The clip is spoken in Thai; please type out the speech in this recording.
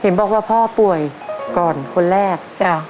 เห็นบอกว่าพ่อป่วยก่อนคนแรก